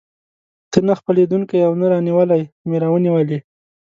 ته نه خپلېدونکی او نه رانیولى مې راونیولې.